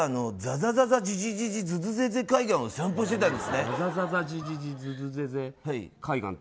ザザザザジジジジゼゼゼゼ海岸を散歩してたんです。